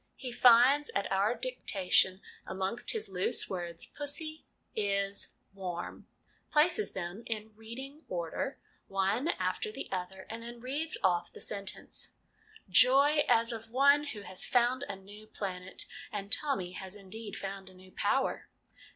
He finds at our dictation, amongst his loose words, 'pussy is warm/ places them in 'reading' order, one after the other, and then reads off the LESSONS AS INSTRUMENTS OF EDUCATION 2 19 sentence. Joy, as of one who has found a new planet ! And Tommy has indeed found a new power.